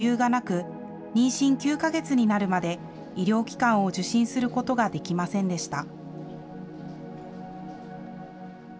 金銭的に余裕がなく、妊娠９か月になるまで医療機関を受診することができませんでした。